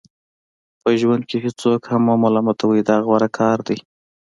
په ژوند کې هیڅوک هم مه ملامتوئ دا غوره کار دی.